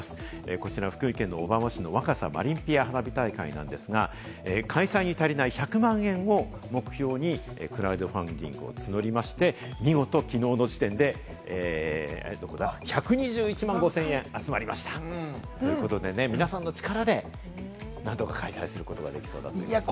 こちら福井県の小浜市の若狭マリンピア花火大会なんですが、開催に足りない１００万円を目標にクラウドファンディングを募りまして、見事、きのうの時点で１２１万５０００円集まりました、ということで皆さんの力で何とか開催することができそうなんです。